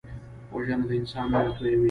وژنه د انسان وینه تویوي